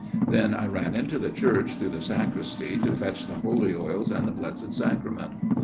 " Then I ran into the church through the sacristy to 'fetch the holy oils and the Blessed Sacrament.